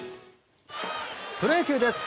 プロ野球です。